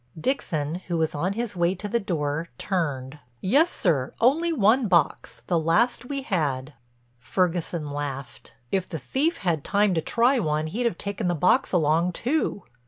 Dixon who was on his way to the door turned: "Yes, sir, only one box, the last we had." Ferguson laughed: "If the thief had had time to try one he'd have taken the box along too."